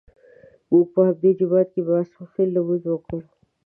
موږ په همدې جومات کې د ماسپښین لمونځ وکړ.